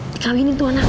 nikahinin tuh anak